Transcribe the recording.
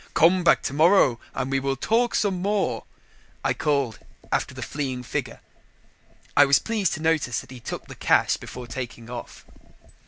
"Come back tomorrow and we will talk some more," I called after the fleeing figure. I was pleased to notice that he took the cash before taking off.